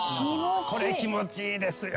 これ気持ちいいですよ。